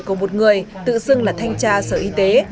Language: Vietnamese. của một người tự xưng là thanh tra sở y tế